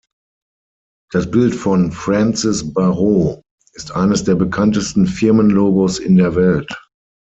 Das Bild von Francis Barraud ist eines der bekanntesten Firmenlogos in der Welt.